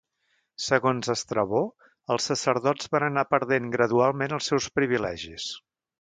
Segons Estrabó, els sacerdots van anar perdent gradualment els seus privilegis.